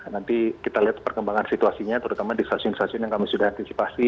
nanti kita lihat perkembangan situasinya terutama di stasiun stasiun yang kami sudah antisipasi